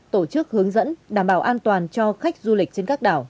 tổ chức hướng dẫn đảm bảo an toàn cho khách du lịch trên các đảo